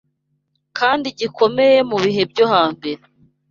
kandi gikomeye mu bihe byo ha mbere